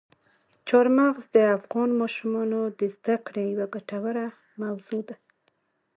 چار مغز د افغان ماشومانو د زده کړې یوه ګټوره موضوع ده.